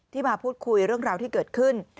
มาพูดคุยเรื่องราวที่เกิดขึ้น